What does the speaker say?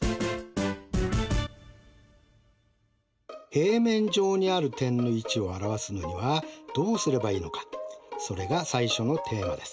平面上にある点の位置を表すのにはどうすればいいのかそれが最初のテーマです。